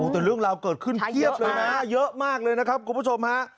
แต่เรื่องราวเกิดขึ้นเยอะมากเลยนะครับกลุ่มผู้ชมฮะ